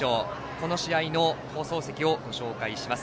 この試合の放送席をご紹介します。